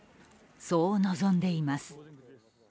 そう望んでいます。